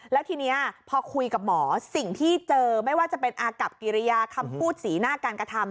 แล้วทีนี้พอคุยกับหมอสิ่งที่เจอไม่ว่าจะเป็นอากับกิริยาคำพูดสีหน้าการกระทำ